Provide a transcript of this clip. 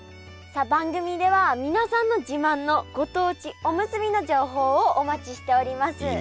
さあ番組では皆さんの自慢のご当地おむすびの情報をお待ちしております。